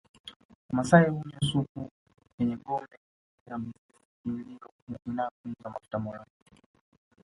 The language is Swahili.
Wamasai hunywa supu yenye gome na mizizi inayopunguza mafuta moyoni